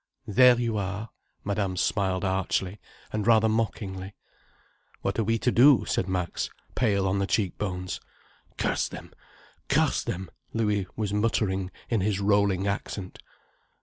There you are!" Madame smiled archly, and rather mockingly. "What are we to do?" said Max, pale on the cheekbones. "Curse them! Curse them!" Louis was muttering, in his rolling accent.